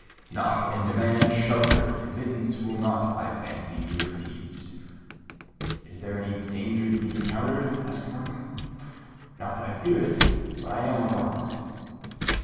"Knock, and demand shelter: admittance will not, I fancy, be refused." "Is there any danger to be encountered?" asked Markham: "not that I fear it—but I am unarmed."